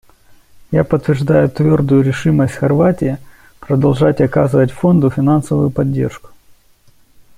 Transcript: Я подтверждаю твердую решимость Хорватии продолжать оказывать Фонду финансовую поддержку.